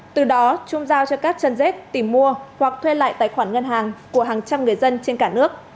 từ đó trung giao cho các chân dết tìm mua hoặc thuê lại tài khoản ngân hàng của hàng trăm người dân trên cả nước